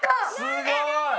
すごーい！